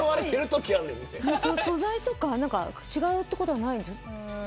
素材とか違うことないんですか。